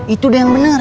itu dah yang bener